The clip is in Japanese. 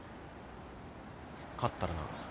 勝ったらな。